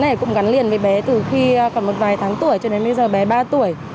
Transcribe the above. này cũng gắn liền với bé từ khi còn một vài tháng tuổi cho đến bây giờ bé ba tuổi